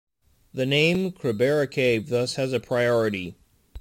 The name "Krubera Cave" thus has a priority.